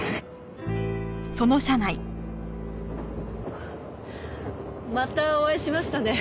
あっまたお会いしましたね。